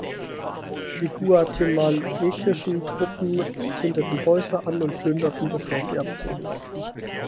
Die guatemaltekischen Truppen zündeten Häuser an und plünderten bevor sie abzogen.